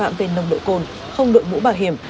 tổ công tác về nông đội côn không đội mũ bảo hiểm